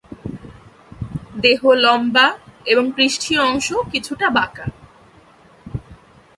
দেহ লম্বা এবং পৃষ্ঠীয় অংশ কিছুটা বাঁকা।